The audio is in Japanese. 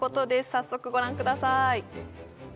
早速ご覧ください